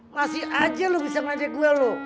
masih aja lu bisa ngajak gue lu